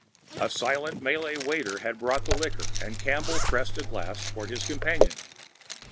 The silent Malay waiter had brought the liquor, and Campbell pressed a glass toward his companion.